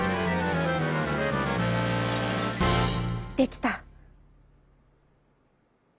「できた」。